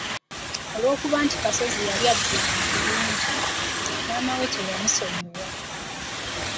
Olw’okuba nti Kasozi yali abbye ebintu bingi, maama we teyamusonyiwa.